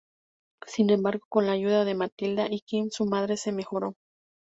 Sin embargo con la ayuda de Matilda y Kim, su madre se mejoró.